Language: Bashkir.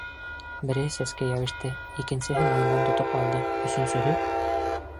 Береһе сәскә йәбеште, икенсеһе муйындан тотоп алды, өсөнсөһө...